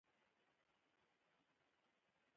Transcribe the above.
دا یوه جنګي کلا ده چې د یوې غونډۍ په سطحه جوړه شوې.